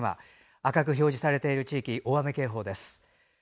赤く表示されている地域が大雨警報です。